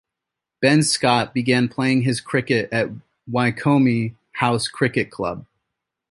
Ben Scott began playing his cricket at Wycombe House Cricket Club.